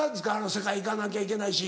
世界行かなきゃいけないし。